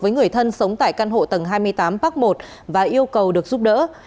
với người thân sống tại căn hộ tầng hai mươi tám park một và yêu cầu được giúp đỡ